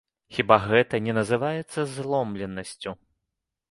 Хіба гэта не называецца зломленасцю?